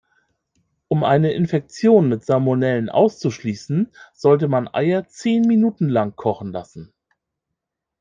Um eine Infektion mit Salmonellen auszuschließen, sollte man Eier zehn Minuten lang kochen lassen.